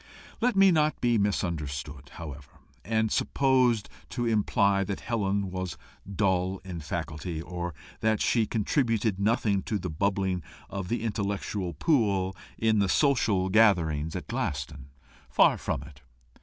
Let me not be misunderstood, however, and supposed to imply that Helen was dull in faculty, or that she contributed nothing to the bubbling of the intellectual pool in the social gatherings at Glaston. Far from it.